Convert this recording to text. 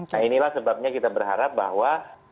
nah inilah sebabnya kita berharap bahwa